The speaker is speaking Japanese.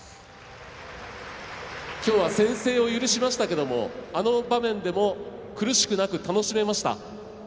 今日は先制を許しましたけどもあの場面でも苦しくなく楽しめました？